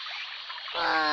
ああ。